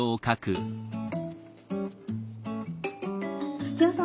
土屋さん